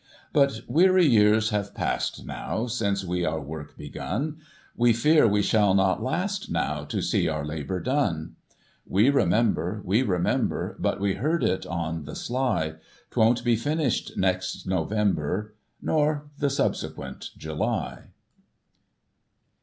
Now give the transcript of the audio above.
But weary years have past, now. Since we our work begun ; We fear we shall not last now. To see our labour done. We remember, we remember. But we heard it on the sly, 'Twon't be finished next November, ' Nor the subsequent July."